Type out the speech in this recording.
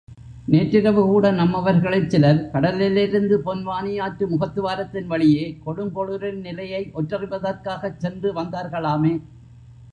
நேற்றிரவுகூட நம்மவர்களிற் சிலர் கடலிலிருந்து பொன்வானியாற்று முகத்துவாரத்தின் வழியே கொடுங்கோளுரின் நிலையை ஒற்றறிவதற்காகச் சென்று வந்தார்களாமே?